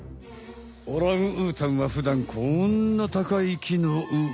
オランウータンはふだんこんな高い木の上！